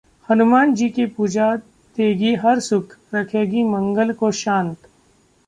हनुमान जी की पूजा देगी हर सुख, रखेगी मंगल को शांत